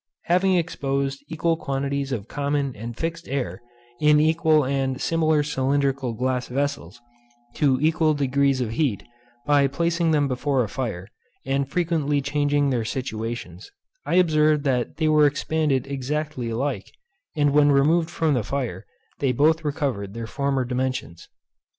Having exposed equal quantities of common and fixed air, in equal and similar cylindrical glass vessels, to equal degrees of heat, by placing them before a fire, and frequently changing their situations, I observed that they were expanded exactly alike, and when removed from the fire they both recovered their former dimensions.